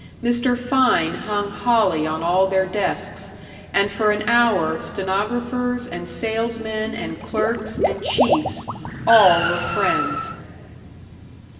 Mr. Fein hung holly on all their desks, and for an hour stenographers and salesmen and clerks and chiefs all were friends.